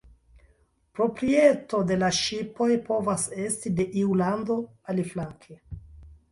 Proprieto de la ŝipoj povas esti de iu lando, aliflanke.